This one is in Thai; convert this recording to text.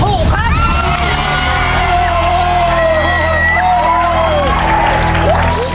ถูกครับ